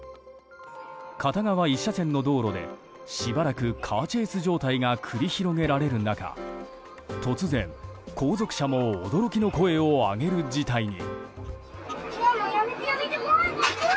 片側１車線の道路でしばらくカーチェイス状態が繰り広げられる中、突然後続車も驚きの声を上げる事態に。